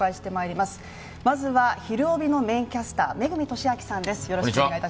まずは「ひるおび！」のメーンキャスター、恵俊彰さんです。